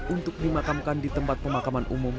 untuk dimakamkan di tempat pemakaman umum